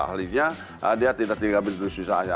hal ini dia tidak tidak begitu susah ya